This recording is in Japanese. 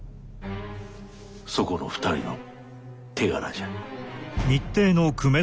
そこの２人の手柄じゃ。